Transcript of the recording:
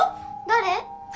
誰？